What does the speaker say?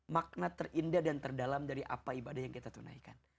makna terindah dan terdalam dari apa ibadah yang kita tunaikan